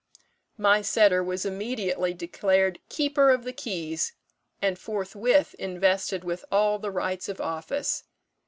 "My setter was immediately declared 'Keeper of the Keys,' and forthwith invested with all the rights of office.